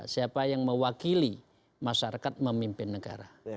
siapa yang mewakili masyarakat memimpin negara